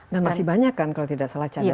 dan masih banyak kan kalau tidak salah cadangan ya